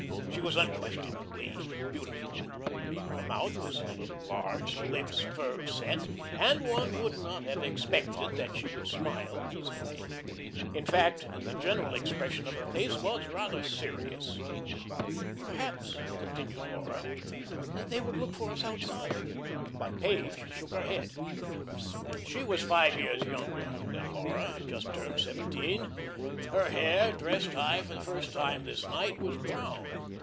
She was unquestionably beautiful. Her mouth was a little large, the lips firm set, and one would not have expected that she would smile easily; in fact, the general expression of her face was rather serious. "Perhaps," continued Laura, "they would look for us outside." But Page shook her head. She was five years younger than Laura, just turned seventeen. Her hair, dressed high for the first time this night, was brown.